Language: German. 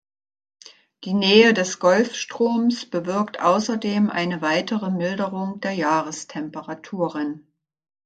Die Nähe des Golfstroms bewirkt außerdem eine weitere Milderung der Jahrestemperaturen.